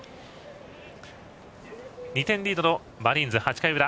２点リードのマリーンズ、８回裏。